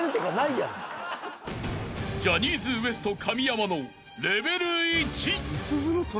［ジャニーズＷＥＳＴ神山のレベル１］